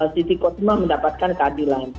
citi kocuma mendapatkan keadilan